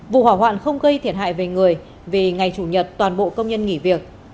vụ hỏa hoạn không gây thiệt hại về người vì ngày chủ nhật toàn bộ công nhân nghỉ việc